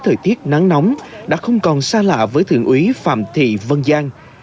thời tiết nắng nóng đã không còn xa lạ với thượng úy phạm thị vân giang